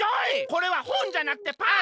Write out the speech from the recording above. これはほんじゃなくてパン！